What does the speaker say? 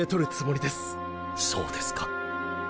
そうですか。